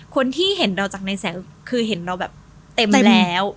คนที่เห็นเราจากในแสงคือเห็นเราแบบเต็มไปแล้ว